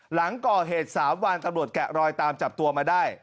หลังก่อเหตุ๓วันตำรวจแกะรอยตามจับตัวมาได้